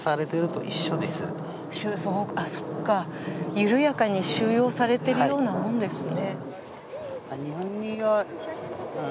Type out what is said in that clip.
緩やかに収容されているようなものですね。